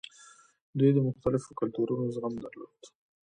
دوی د مختلفو کلتورونو زغم درلود